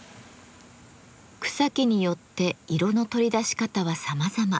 草木によって色の取り出し方はさまざま。